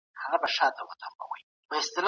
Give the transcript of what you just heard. ایا نوي کروندګر بادام پلوري؟